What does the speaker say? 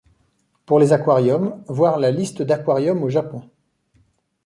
Pour les aquariums, voir la Liste d'aquariums au Japon.